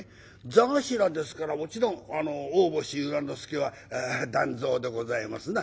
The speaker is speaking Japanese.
座頭ですからもちろん大星由良之助は団蔵でございますな。